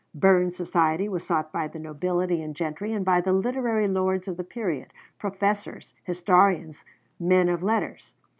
Burns's society was sought by the nobility and gentry and by the literary lords of the period, professors, historians, men of letters.